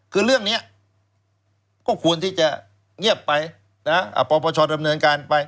คือเรื่องนี้ก็ควรที่จะเงียบไปปปชดำเนินการไป